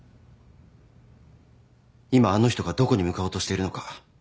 今あの人がどこに向かおうとしているのか